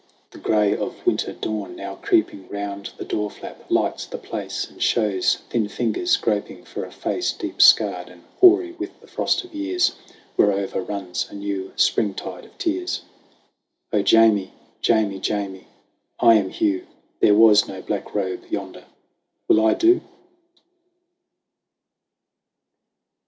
The gray of winter dawn Now creeping round the door flap, lights the place And shows thin fingers groping for a face Deep scarred and hoary with the frost of years Whereover runs a new springtide of tears. "O Jamie, Jamie, Jamie I am Hugh ! There was no Black Robe yonder Will I do